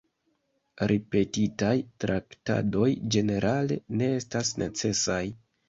Ripetitaj traktadoj ĝenerale ne estas necesaj.